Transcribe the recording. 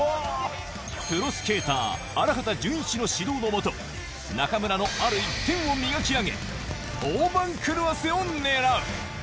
プロスケーター、荒畑潤一の指導の下、中村のある一点を磨き上げ、大番狂わせを狙う。